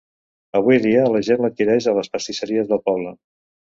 Avui dia, la gent l'adquireix a les pastisseries del poble.